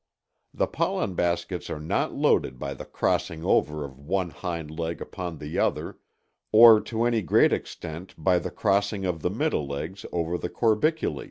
The pollen baskets are not loaded by the crossing over of one hind leg upon the other or to any great extent by the crossing of the middle legs over the corbiculæ.